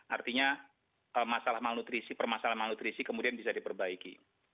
artinya masalah malnutrisi permasalahan malnutrisi kemudian bisa diperbaiki